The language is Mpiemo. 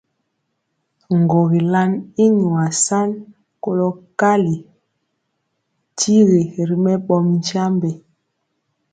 Ŋgogilan i nwaa san kolɔ kali kyigi ri mɛɓɔ mi nkyambe.